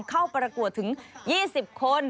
เข้าประกวดถึง๒๐คน